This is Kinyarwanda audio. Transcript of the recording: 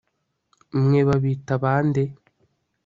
Mwe babita bande